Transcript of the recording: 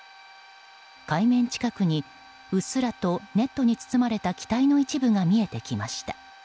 海面近くに、うっすらとネットに包まれた機体の一部が見えてきました。